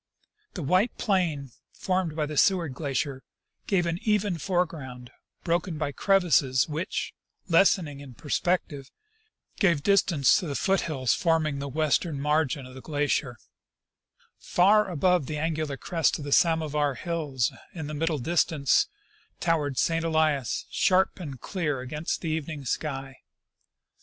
The white plain formed by the Seward glacier gave an even foreground, broken by crevasses which, lessening in per spective, gave distance to the foot hills forming the western mar 136 I. C. Russell — Expedition to Mount St. Elias. gin of the glacier. Far above the angular crest of the Samovar hills in the middle distance towered St. Elias, sharp and clear against the evening sky.